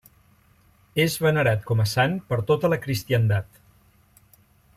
És venerat com a sant per tota la cristiandat.